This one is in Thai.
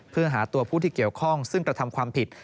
เพื่อหาตัวผู้ที่เกี่ยวข้องซึ่งกระทำความผิด